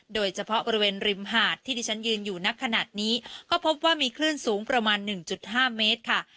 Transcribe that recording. โดยเฉพาะบริเวณริมหาดที่ที่ฉันยืนอยู่นักขนาดนี้ก็พบว่ามีคลื่นสูงประมาณ๑๕เมตรค่ะ